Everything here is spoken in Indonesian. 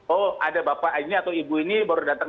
oh ada bapak ini atau ibu ini baru datang